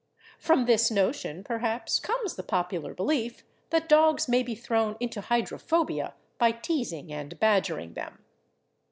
From this notion, perhaps, comes the popular belief that dogs may be thrown into hydrophobia by teasing and badgering them.